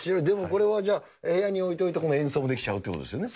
これはじゃあ、部屋に置いといて演奏もできちゃうということですよね。